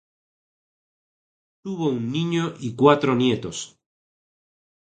Tuvo un niño y cuatro nietos.